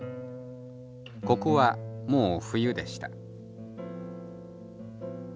ここはもう冬でした。